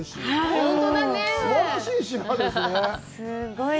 すごい。